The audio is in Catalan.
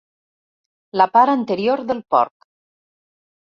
La part anterior del porc.